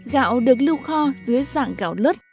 gạo được lưu kho dưới dạng gạo lứt